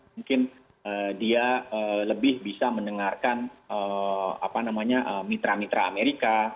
mungkin dia lebih bisa mendengarkan mitra mitra amerika